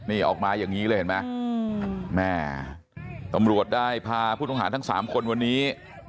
นี่ออกมาอย่างนี้เลยเห็นไหมแม่ตำรวจได้พาผู้ต้องหาทั้งสามคนวันนี้